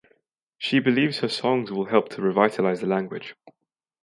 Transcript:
She believes her songs will help to revitalize the language.